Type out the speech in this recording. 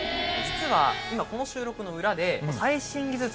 実は今この収録の裏で。